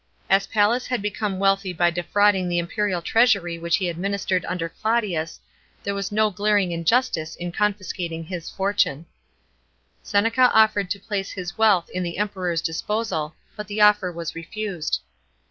As Pallas had become wealthy by defrauding the imperial treasury which he administered under Claudius, there was no glaring injustice in confiscating his fortune. 64 AD. FIN AN CI AT, DIFFICULTIES. 285 Seneca offered to place his wealth at the Emperor's disposal, but the offer was refused.